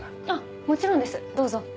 あっもちろんですどうぞ。